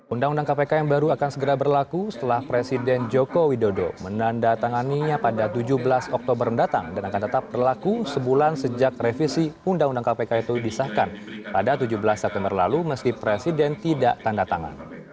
undang undang kpk yang baru akan segera berlaku setelah presiden joko widodo menandatanganinya pada tujuh belas oktober mendatang dan akan tetap berlaku sebulan sejak revisi undang undang kpk itu disahkan pada tujuh belas september lalu meski presiden tidak tanda tangan